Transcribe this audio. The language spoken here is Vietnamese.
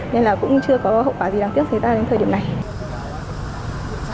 nên là cũng chưa có hậu quả gì đáng tiếc xảy ra đến thời điểm này